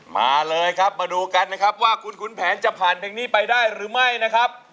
มาเลยครับมาดูกันนะครับว่าคุณขุนแผนจะผ่านเพลงนี้ไปได้หรือไม่นะครับ